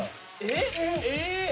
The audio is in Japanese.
えっ？